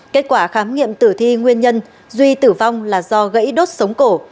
kết quả khám nghiệm tử thi nguyên nhân duy tử vong là do gãy đốt sống cổ